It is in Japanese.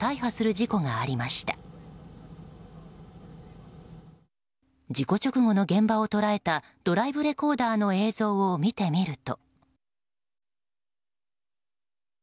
事故直後の現場を捉えたドライブレコーダーの映像を見てみると。